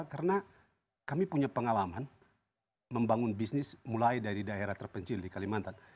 karena kami punya pengalaman membangun bisnis mulai dari daerah terpencil di kalimantan